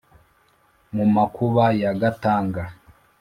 mu makuba ya gatanga